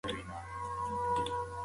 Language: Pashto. هغه د خطبو له لارې اخلاقي پيغام خپراوه.